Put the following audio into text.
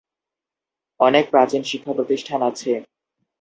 অনেক প্রাচীন শিক্ষা প্রতিষ্ঠান আছে।